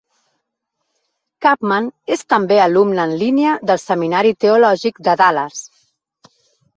Kampman es també alumne en línia del Seminari Teològic de Dallas.